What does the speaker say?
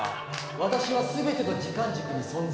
私は全ての時間軸に存在する。